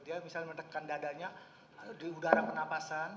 dia misalnya menekan dadanya di udara pernapasan